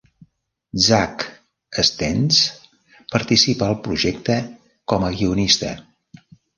Zack Stentz participa al projecte com a guionista.